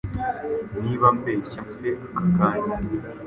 Niba mbeshya mpfe aka kanya